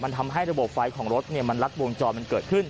มันทำให้ระบบไฟของรถมันรัดวงจรมันเกิดขึ้น